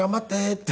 って。